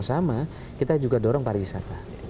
sama kita juga dorong pariwisata